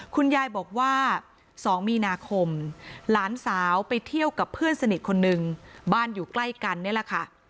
คุณยายบอกว่า๒มีนาคมหลานสาวไปเที่ยวกับเพื่อนสนิทคนนึงบ้านอยู่ใกล้กันนี่แหละค่ะ